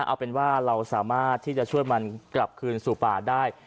เอาเป็นว่าเราสามารถที่จะช่วยมันกลับคืนสู่ป่าได้